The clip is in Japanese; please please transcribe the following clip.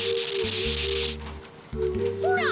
ほら。